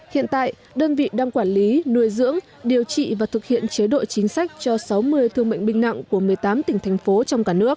hiện tại đơn vị đang quản lý nuôi dưỡng điều trị và thực hiện chế độ chính sách cho sáu mươi thương bệnh binh nặng của một mươi tám tỉnh thành phố trong cả nước